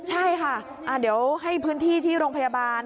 ใช่ค่ะเดี๋ยวให้พื้นที่ที่โรงพยาบาล